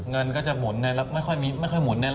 เงินก็จะหมุนแล้วไม่ค่อยหุ่นแน่